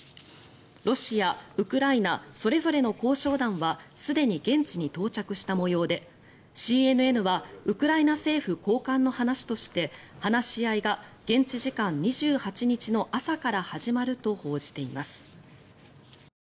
ロシア、ウクライナそれぞれの交渉団はすでに現地に到着した模様でＣＮＮはウクライナ政府高官の話として話し合いが現地時間２８日の朝から始まると報じています。